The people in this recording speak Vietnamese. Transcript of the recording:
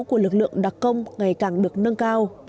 của lực lượng đặc công ngày càng được nâng cao